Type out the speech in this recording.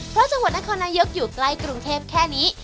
เพราะจังหวัดนครนายกอยู่ใกล้กรุงเทพแค่นี้